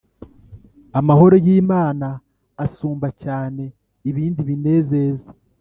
Amahoro y’ Imana asumba cyane ibindi binezeza